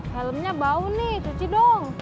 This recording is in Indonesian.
helmnya bau nih cuci dong